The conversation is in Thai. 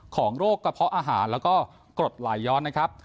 ของโรคกระเพาะอาหารแล้วก็กรดไหลย้อนนะครับ